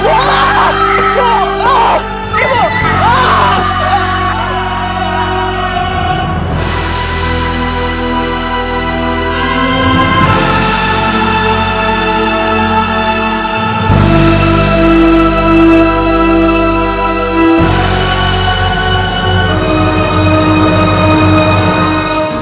ku tutaj dalam mulut terima kasih ibu